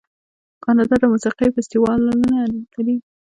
کاناډا د موسیقۍ فستیوالونه لري.